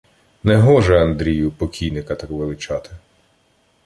— Негоже, Андрію, покійника так величати.